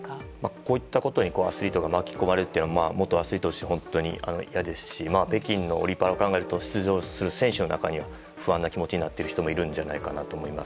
こういったことにアスリートが巻き込まれるのは元アスリートとして本当に嫌ですし北京のオリパラを考えると出場する選手の中には不安な気持ちになっている人もいるんじゃないかなと思います。